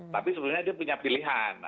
tapi sebenarnya dia punya pilihan